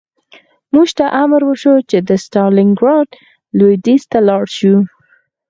موږ ته امر وشو چې د ستالینګراډ لویدیځ ته لاړ شو